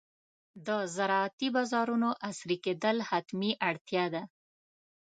د زراعتي بازارونو عصري کېدل حتمي اړتیا ده.